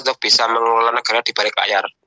untuk bisa mengelola negara di balik layar